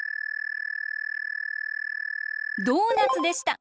ドーナツでした！